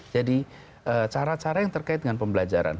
jadi cara cara yang terkait dengan pembelajaran